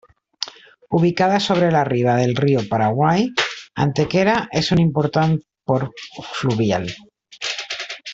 Ubicada sobre la riba del riu Paraguai, Antequera és un important port fluvial.